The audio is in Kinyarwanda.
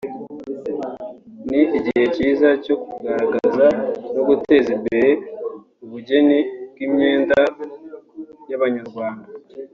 ni igihe cyiza cyo kugaragaza no guteza imbere ubugeni bw’imyenda y’Abanyarwanda